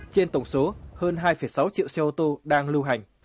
trên tổng số hơn hai sáu triệu xe ô tô đang lưu hành